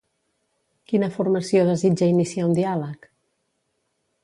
Quina formació desitja iniciar un diàleg?